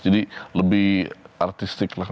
jadi lebih artistik lah